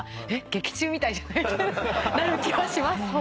劇中みたいじゃない？ってなる気はします。